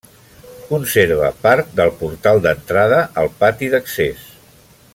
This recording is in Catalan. Conserva part del portal d'entrada al pati d'accés.